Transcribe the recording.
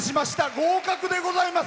合格でございます！